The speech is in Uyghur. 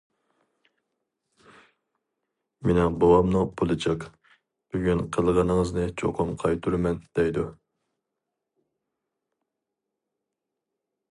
مېنىڭ بوۋامنىڭ پۇلى جىق، بۈگۈن قىلغىنىڭىزنى چوقۇم قايتۇرىمەن دەيدۇ.